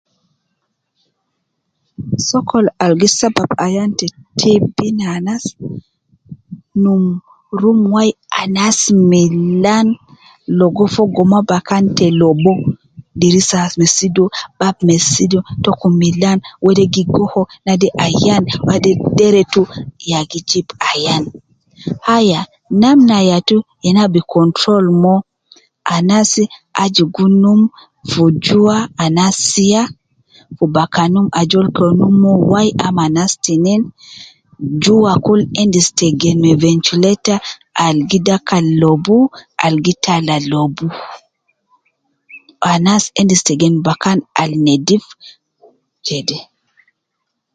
Sokol al gi sabab ayan te TB ne anas num room wai anasi milan, logo fogo ma bakan te lobu, dirisa me sidu, bab me sidu, tokum milan, wede gi goho, naade ayan ,naade gi deretu, ya gi jib ayan, aya, namna yatu al na bi control mo, anasi aju gi num fi jua anas sia, fi bakanum ajol ke num uwo wai ama anas tinen, jua kul endis te gen me ventilator al gi dakal lobu, al gi tala lobu, anas endi te gen bakan al nedif jede